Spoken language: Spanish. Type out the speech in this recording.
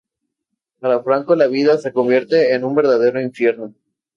Para Franco, la vida se convierte en un verdadero infierno.